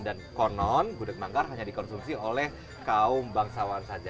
dan konon gudeg manggar hanya dikonsumsi oleh kaum bangsawan saja